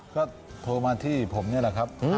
ก็โทรมาที่ผมนี่แหละครับ